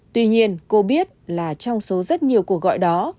tuy nhiên cô biết là trong số rất nhiều cuộc gọi đó